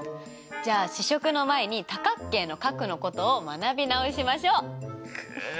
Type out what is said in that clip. じゃあ試食の前に多角形の角のことを学び直しましょう！くっ！